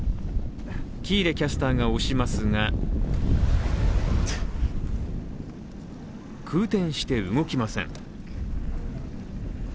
喜入キャスターが押しますが空転して動きません。